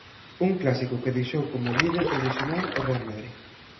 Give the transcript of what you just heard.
Un clásico que deixou como líder provisional o Real Madrid.